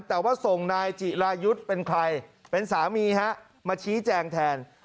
แต่ว่าส่งนายจิรายุทธ์เป็นใครเป็นสามีฮะมาชี้แจงแทน